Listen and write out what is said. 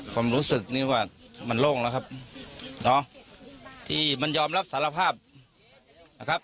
ความรู้สึกนี้ว่ามันโล่งแล้วครับเนาะที่มันยอมรับสารภาพนะครับ